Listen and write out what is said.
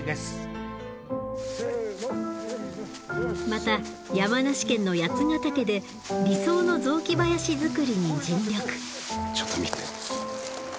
また山梨県の八ヶ岳で理想の雑木林づくりに尽力。